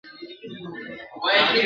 عبد الحلیم شرر ليكي: